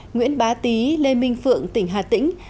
nguyễn bá tí lê minh phượng tỉnh hà tĩnh